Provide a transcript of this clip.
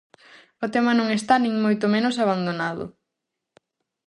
O tema non está nin moito menos abandonado.